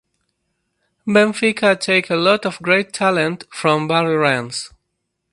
Benfica take a lot of great talent from Barreirense.